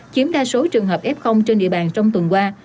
chiếm đa số trường hợp f trên địa bàn trong tuần qua